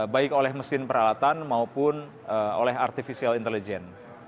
baik oleh mesin peralatan maupun oleh artificial intelligence